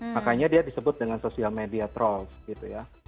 makanya dia disebut dengan social media throlls gitu ya